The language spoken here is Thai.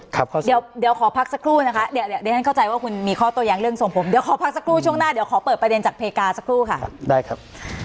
ตัวอย่างเรื่องส่งผมเดี๋ยวขอพักสักครู่ช่วงหน้าเดี๋ยวขอเปิดประเด็นจากเพกาสักครู่ค่ะได้ครับ